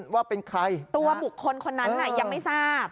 ว่าเป็นใครตัวบุคคลคนนั้นยังไม่ทราบ